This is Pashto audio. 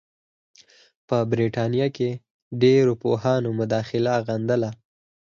په برټانیه کې ډېرو پوهانو مداخله غندله.